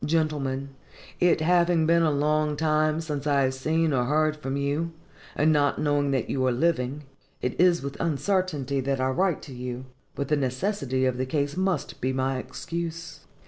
GENTLEMEN: It having been a long time since I have seen or heard from you, and not knowing that you are living, it is with uncertainty that I write to you; but the necessity of the case must be my excuse.